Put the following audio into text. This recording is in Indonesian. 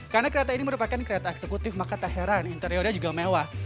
karena kereta ini merupakan kereta eksekutif maka tak heran interiornya juga mewah